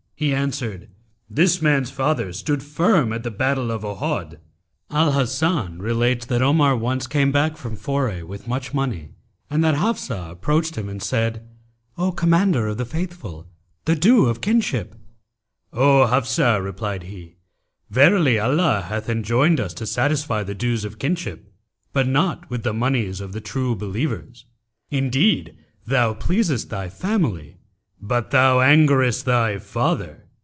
He answered, 'This man's father stood firm at the battle day of Ohod.'[FN#280] Al Hasan relates that Omar once came back from foray with much money, and that Hafsah[FN#281] approached him and said, 'O Commander of the Faithful, the due of kinship!' 'O Hafsah!' replied he, 'verily Allah hath enjoined us to satisfy the dues of kinship, but not with the monies of the True Believers. Indeed, thou pleasest" thy family, but thou angerest thy father.'